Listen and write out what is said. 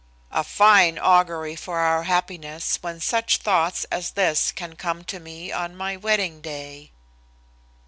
A fine augury for our happiness when such thoughts as this can come to me on my wedding day!